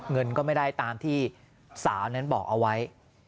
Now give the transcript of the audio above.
เงินก็ไม่ได้ตามที่สาวนั้นบอกเอาไว้